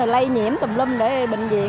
lây nhiễm tùm lum để bệnh viện